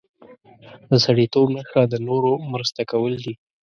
د سړیتوب نښه د نورو مرسته کول دي.